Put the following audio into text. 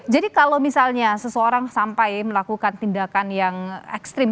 jadi kalau misalnya seseorang sampai melakukan tindakan yang ekstrim